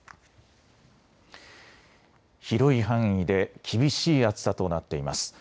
広い範囲で厳しい暑さとなっています。